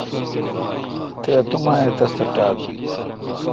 تے اتو ما اے° تس تہ ٹاک بیل۔